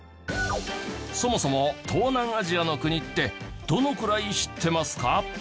そもそも東南アジアの国ってどのくらい知ってますか？